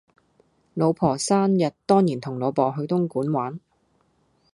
老婆生日當然同老婆講去東莞玩